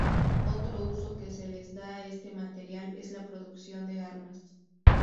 Otro uso que se les da a este material es la producción de armas.